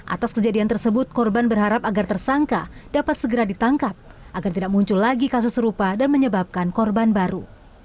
atas kejadian tersebut korban berharap agar tersangka dapat segera ditangkap agar tidak muncul lagi kasus serupa dan menyebabkan korban baru